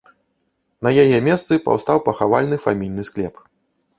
На яе месцы паўстаў пахавальны фамільны склеп.